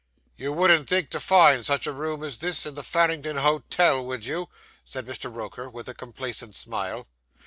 'You wouldn't think to find such a room as this in the Farringdon Hotel, would you?' said Mr. Roker, with a complacent smile.